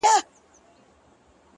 • کړه یې وا لکه ګره د تورو زلفو ,